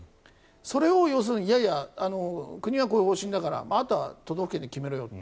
それを要するにいやいや国はこういう方針だからあとは都道府県で決めろよと。